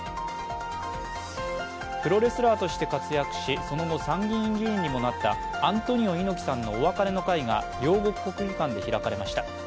プロレスラーとして活躍しその後参議院議員にもなったアントニオ猪木さんのお別れの会が両国国技館で開かれました。